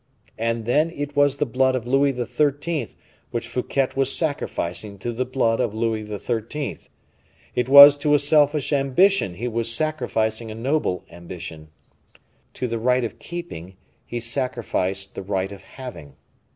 And then it was the blood of Louis XIII. which Fouquet was sacrificing to the blood of Louis XIII.; it was to a selfish ambition he was sacrificing a noble ambition; to the right of keeping he sacrificed the right of having.